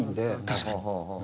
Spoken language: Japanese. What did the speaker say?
確かに。